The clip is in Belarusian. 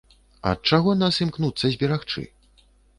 Ад чаго нас імкнуцца зберагчы?